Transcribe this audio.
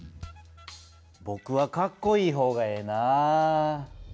ぼくはかっこいい方がええなぁ。